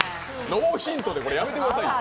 ノーヒントでこれやめてくださいよ。